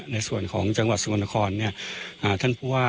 ในส่วนของจังหวัดสกลนครท่านผู้ว่า